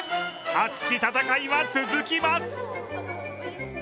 熱き戦いは続きます。